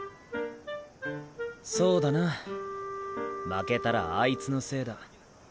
そうだな負けたらアイツのせいだ。